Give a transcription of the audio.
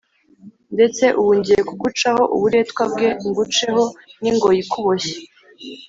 Ndetse ubu ngiye kugucaho uburetwa bwe, nguceho n’ingoyi ikuboshye.”